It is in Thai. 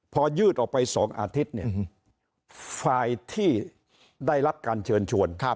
พอยืดออกไป๒อาทิตย์เนี่ยฝ่ายที่ได้รับการเชิญชวน